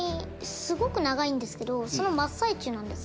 すごく長いんですけどその真っ最中なんです。